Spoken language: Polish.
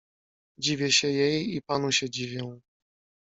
"Dziwię się jej i panu się dziwię."